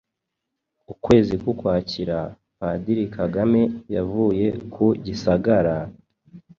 ukwezi kw’Ukwakira, Padiri Kagame yavuye ku Gisagara,